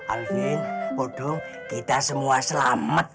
alvin bodong kita semua selamat